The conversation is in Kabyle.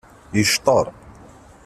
Yecṭeṛ.